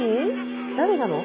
誰なの？